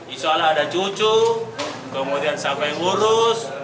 insya allah ada cucu kemudian siapa yang ngurus